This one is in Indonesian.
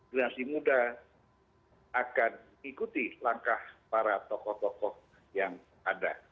generasi muda akan ikuti langkah para tokoh tokoh yang ada